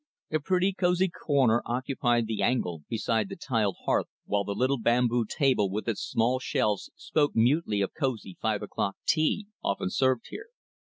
A pretty cosy corner occupied the angle beside the tiled hearth, while the little bamboo table with its small shelves spoke mutely of cosy five o'clock tea often served there.